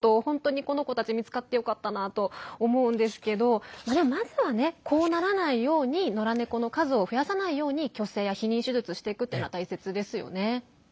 あのまま車にいたら気温が高い時期どうなってたかと思うと本当に、この子たち見つかってよかったなと思うんですけどまずはね、こうならないようにのら猫の数を増やさないように去勢や避妊手術していくというのは大切ですよね。